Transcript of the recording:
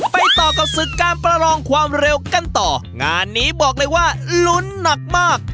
ไปต่อกับศึกการประลองความเร็วกันต่องานนี้บอกเลยว่าลุ้นหนักมาก